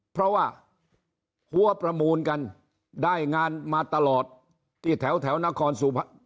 เพราะว่าหัวประมูลกันได้งานมาตลอดที่แถวนครสุพรรณ